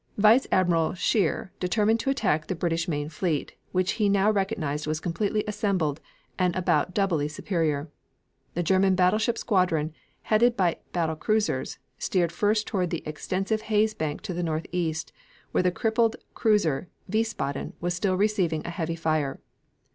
Vice Admiral Scheer determined to attack the British main fleet, which he now recognized was completely assembled and about doubly superior. The German battleship squadron, headed by battle cruisers, steered first toward the extensive haze bank to the northeast, where the crippled cruiser Wiesbaden was still receiving a heavy fire.